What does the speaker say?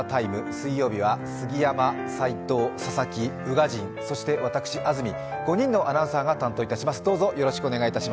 水曜日は杉山、齋藤、佐々木、宇賀神そして私、安住、５人のアナウンサーが担当いたします。